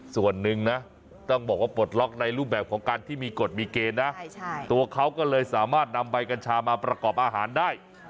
ส่วนหนึ่งนะต้องบอกว่าปลดล็อกในรูปแบบของการที่มีกฎมีเกณฑ์นะตัวเขาก็เลยสามารถนำใบกัญชามาประกอบอาหารได้